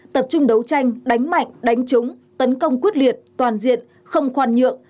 tập trung đấu tranh đánh mạnh đánh trúng tấn công quyết liệt toàn diện không khoan nhượng